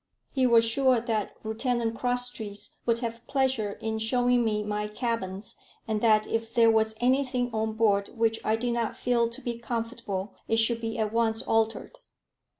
He was sure that Lieutenant Crosstrees would have pleasure in showing me my cabins, and that if there was anything on board which I did not feel to be comfortable, it should be at once altered.